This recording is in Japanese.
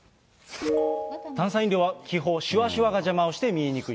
炭酸飲料は、気泡、しゅわしゅわが邪魔をして見えにくい。